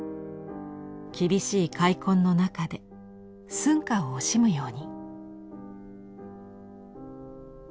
厳しい開墾の中で寸暇を惜しむように。